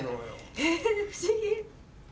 えっ不思議。